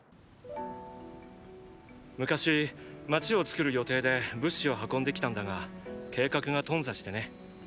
昔町を作る予定で物資を運んできたんだが計画が頓挫してね。